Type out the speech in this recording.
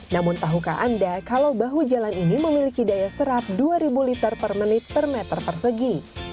namun tahukah anda kalau bahu jalan ini memiliki daya serap dua ribu liter per menit per meter persegi